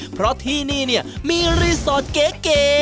เพราะที่นี่เนี่ยมีรีสอร์ทเก๋